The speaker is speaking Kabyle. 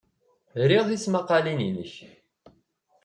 Riɣ tismaqqalin-nnek.